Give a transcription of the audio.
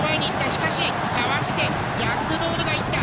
しかし、かわしてジャックドールがいった！